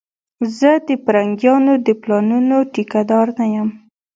زه د پرنګيانو د پلانونو ټيکه دار نه یم